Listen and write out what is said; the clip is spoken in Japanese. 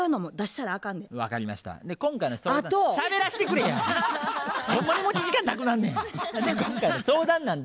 ほんまに持ち時間なくなんねん。